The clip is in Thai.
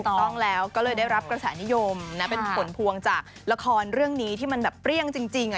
ถูกต้องแล้วก็เลยได้รับกระแสนิยมนะเป็นผลพวงจากละครเรื่องนี้ที่มันแบบเปรี้ยงจริง